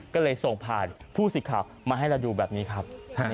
ก็เลยส่งผ่านผู้สิทธิ์ข่าวมาให้เราดูแบบนี้ครับ